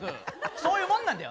そういうもんなんだよ。